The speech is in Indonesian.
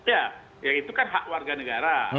ya ya itu kan hak warga negara